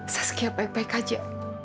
saskia baik baik saja